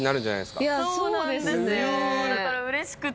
だからうれしくて。